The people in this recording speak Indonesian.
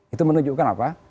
itu menunjukkan apa